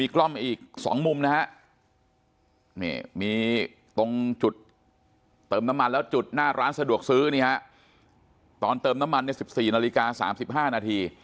จุดเติมน้ำมันแล้วจุดหน้าร้านสะดวกซื้อนี่ฮะตอนเติมน้ำมัน๑๔นาฬิกา๓๕นาที